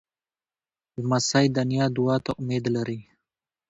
لمسی د نیا دعا ته امید لري.